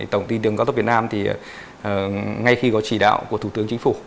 tổng tin đường cao tốc việt nam thì ngay khi có chỉ đạo của thủ tướng chính phủ